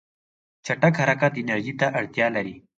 چټک حرکت انرژي ته اړتیا لري.